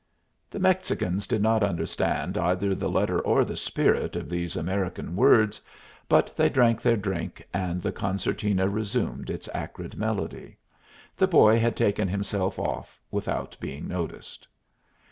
The Mexicans did not understand either the letter or the spirit of these American words, but they drank their drink, and the concertina resumed its acrid melody. The boy had taken himself off without being noticed.